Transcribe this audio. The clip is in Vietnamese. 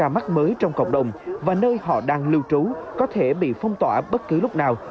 mắc mới trong cộng đồng và nơi họ đang lưu trú có thể bị phong tỏa bất cứ lúc nào